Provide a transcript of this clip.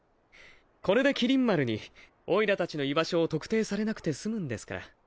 これで麒麟丸にオイラ達の居場所を特定されなくて済むんですから。